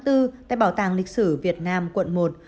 tại bảo tàng lịch sử việt nam quận một